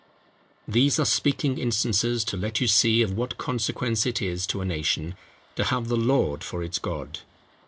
These are speaking instances to let you see of what consequence it is to a nation to have the Lord for its God.